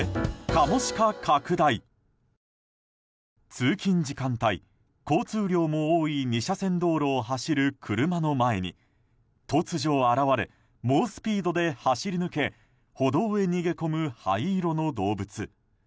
通勤時間帯、交通量も多い２車線道路を走る車の前に突如現れ、猛スピードで走り抜け歩道へ逃げ込む、灰色の動物。